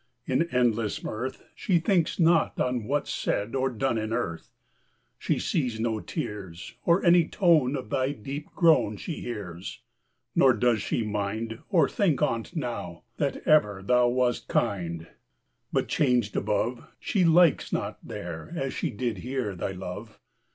In endless mirth, She thinks not on What's said or done In earth: She sees no tears, Or any tone Of thy deep groan She hears; Nor does she mind, Or think on't now, That ever thou Wast kind: But changed above, She likes not there, As she did here, Thy love.